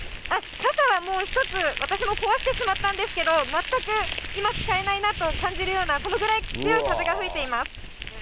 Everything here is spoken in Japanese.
傘はもう１つ、私も壊してしまったんですけど、全く今、使えないなと感じるような、そのぐらい強い風が吹いています。